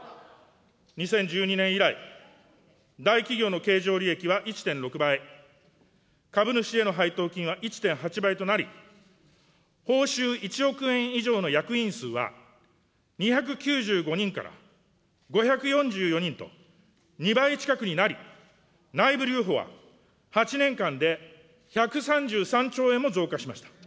２０１２年以来、大企業の経常利益は１．６倍、株主への配当金は１．８倍となり、報酬１億円以上の役員数は２９５人から５４４人と、２倍近くになり、内部留保は８年間で１３３兆円も増加しました。